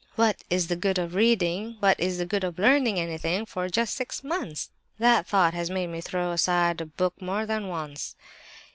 What is the good of reading, what is the good of learning anything, for just six months? That thought has made me throw aside a book more than once.